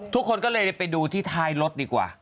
ทุกคนก็เลยไปดูที่ท้ายรถดีกว่า